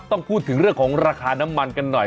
ต้องพูดถึงเรื่องของราคาน้ำมันกันหน่อย